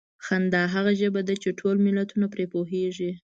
خندا هغه ژبه ده چې ټول ملتونه پرې پوهېږي.